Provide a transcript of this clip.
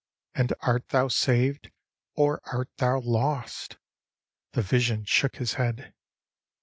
And art thou saved or art thou lost? "— The vision shook his head!